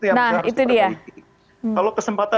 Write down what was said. nah itu dia